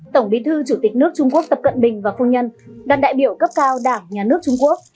tổng bí thư chủ tịch nước trung quốc tập cận bình và phu nhân đoàn đại biểu cấp cao đảng nhà nước trung quốc